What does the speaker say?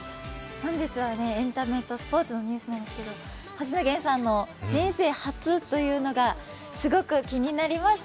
本日はエンタメとスポーツのニュースなんですけど、星野源さんの人生初というのがすごく気になります。